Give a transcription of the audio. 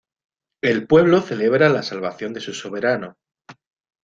El pueblo celebra la salvación de su soberano.